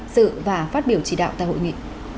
dự và phát biểu chỉ đạo tại hội nghị